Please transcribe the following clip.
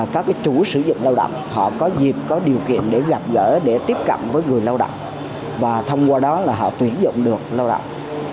các chủ sử dụng lao động họ có dịp có điều kiện để gặp gỡ để tiếp cận với người lao động và thông qua đó là họ tuyển dụng được lao động